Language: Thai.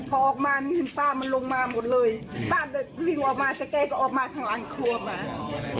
พอออกมานี่คุณป้ามันลงมาหมดเลยป้ามันลิ่งออกมาแล้วแกก็ออกมาทางห้องครัวแม่